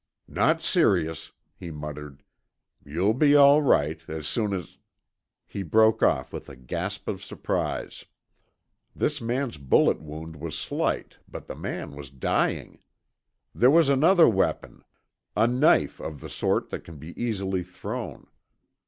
"Not serious," he muttered. "You'll be all right as soon as " He broke off with a gasp of surprise. This man's bullet wound was slight, but the man was dying. There was another weapon, a knife of the sort that can be easily thrown.